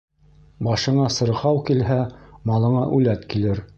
Башыңа сырхау килһә, малыңа үләт килер.